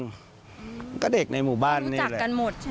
รู้จักกันหมดใช่ไหมคะ